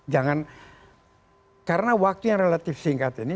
jangan karena waktu yang relatif singkat ini